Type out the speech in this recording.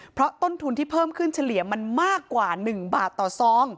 เพราะต้นทุนที่เพิ่มขึ้นเฉลี่ยมันมากกว่า๑บาทต่อซอง